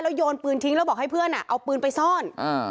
โยนปืนทิ้งแล้วบอกให้เพื่อนเอาปืนไปซ่อน